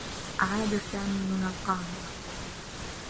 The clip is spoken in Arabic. عاد سامي من القاهرة.